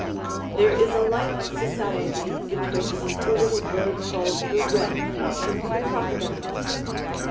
There is a like society betwixt the little bird called the wren and the crocodile.